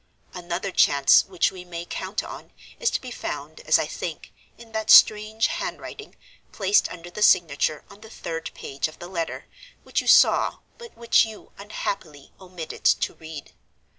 Another chance which we may count on is to be found, as I think, in that strange handwriting, placed under the signature on the third page of the Letter, which you saw, but which you, unhappily, omitted to read.